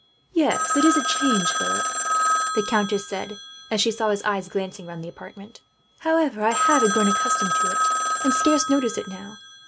"Yes, it is a change, Philip," the countess said, as she saw his eyes glancing round the apartment. "However, I have grown accustomed to it, and scarce notice it now.